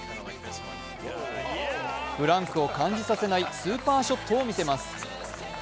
ブランクを感じさせないスーパーショットを見せます。